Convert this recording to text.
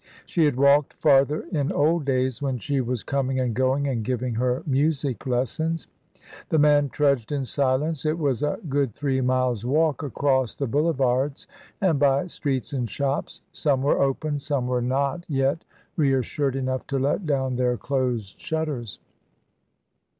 She had walked farther in old days when she was coming and going and giving her music lessons. The man trudged in silence; it was a good three miles' walk across the boulevards, and by streets and shops; some were open, some were not yet reassured enough to let down their closed shutters.